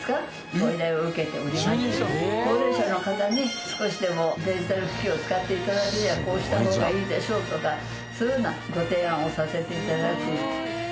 ご依頼を受けておりまして高齢者の方に少しでもデジタル機器を使って頂くにはこうした方がいいでしょうとかそういうようなご提案をさせて頂く。